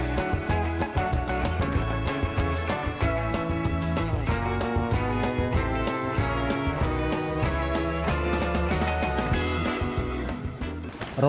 jadi banyak jangkaieran